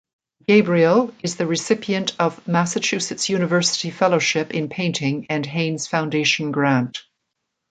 Gabriel is the recipient of Massachusetts University Fellowship in Painting and Haines Foundation Grant.